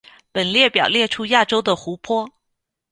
本列表列出亚洲的湖泊。